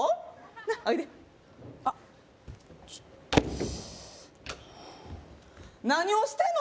なっおいであっ何をしてんの？